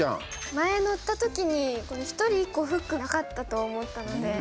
前乗ったときに１人１個フックなかったと思ったので。